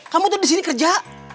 kamu tuh di sini kerja